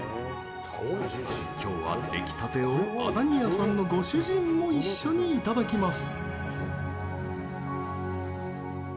今日は出来たてを安谷屋さんのご主人も一緒にいただきます。